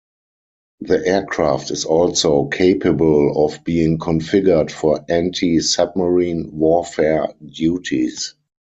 The aircraft is also capable of being configured for anti-submarine warfare duties.